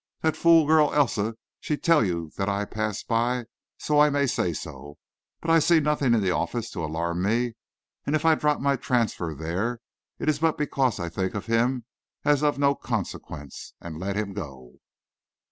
That fool girl Elsa, she tell you that I pass by, so I may say so. But I see nothing in the office to alarm me, and if I drop my transfer there, it is but because I think of him as no consequence, and I let him go."